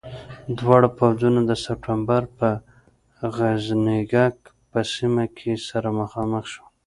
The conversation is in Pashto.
دواړه پوځونه د سپټمبر پر د غزنيګک په سیمه کې سره مخامخ شول.